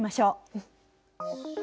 うん。